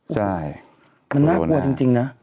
ใช่โคโรน่ามันน่ากลัวจริงนะ